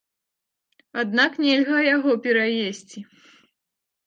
Аднак нельга яго пераесці.